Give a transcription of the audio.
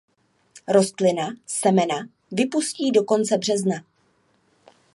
Rostlina semena vypustí do konce března.